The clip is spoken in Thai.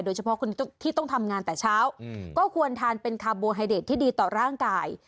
โดยเฉพาะคนที่ต้องทำงานแต่เช้าก็ควรทานเป็นคาร์โบไฮเดทที่ดีต่อร่างกาย